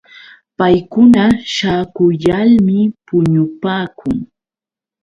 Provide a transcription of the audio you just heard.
Paykuna śhaakuyalmi puñupaakun.